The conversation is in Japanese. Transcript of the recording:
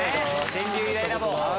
電流イライラ棒。